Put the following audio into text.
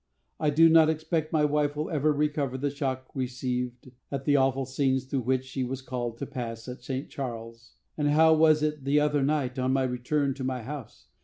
I do not expect my wife will ever recover the shock received at the awful scenes through which she was called to pass at St. Charles. And how was it the other night, on my return to my house?